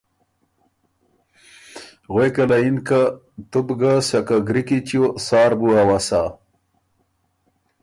غوېکه له یِن که ”تُو بو ګه سکه ګری کی چیو سار بُو اؤسا،